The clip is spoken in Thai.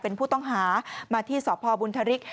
เป็นผู้ต้องหามาที่สพบุญธริก